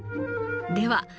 では